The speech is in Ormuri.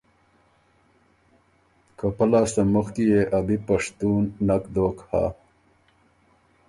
که پۀ لاسته مُخکی يې ا بی پشتُون نک دوک هۀ۔